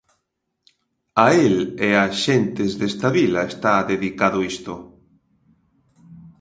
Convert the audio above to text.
A el e as xentes desta vila está dedicado isto.